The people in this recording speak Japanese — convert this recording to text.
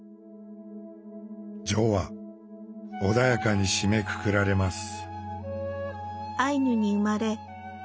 「序」は穏やかに締めくくられます。